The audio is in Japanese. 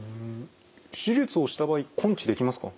手術をした場合根治できますか？